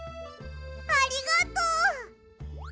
ありがとう！